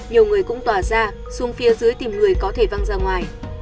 nhiều người cũng tỏa ra xuống phía dưới tìm người có thể văng ra ngoài